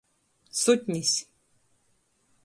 Sutnis.